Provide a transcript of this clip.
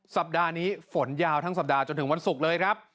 สัปดาห์นี้ฝนยาวทั้งสัปดาห์จนถึงวันศุกร์เลยครับ